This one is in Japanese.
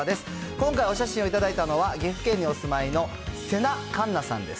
今回、お写真を頂いたのは、岐阜県にお住まいのせな・かんなさんです。